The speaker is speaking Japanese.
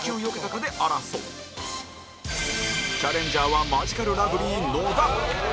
チャレンジャーはマヂカルラブリー野田